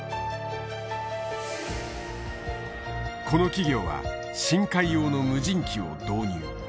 この企業は深海用の無人機を導入。